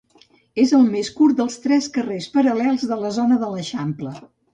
És el més curt dels tres carrers paral·lels de la zona de l'eixample.